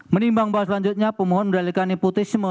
menimbang bahwa selanjutnya pemohon melalui kanipotisme